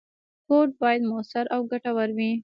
کوډ باید موثر او ګټور وي.